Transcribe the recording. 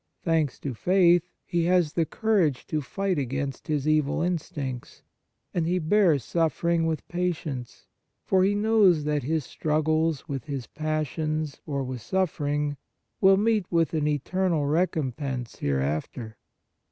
Thanks to faith, he has the courage to fight against his evil instincts, and he bears suffering with patience, for he knows that his struggles with his passions or with suffering will meet with an eternal recompense hereafter.